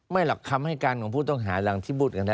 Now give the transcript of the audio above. ไม่หรอกคำให้การของผู้ต้องหารังที่บุตร